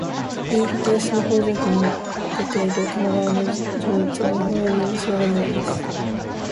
という書き出しの「方丈記」に出ている鴨川の叙述がよほど有数なものです